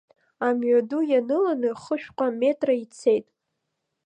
Амҩаду ианыланы хышәҟа метра ицеит.